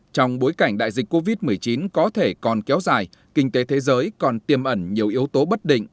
trong bối cảnh đại dịch covid một mươi chín có thể còn kéo dài kinh tế thế giới còn tiêm ẩn nhiều yếu tố bất định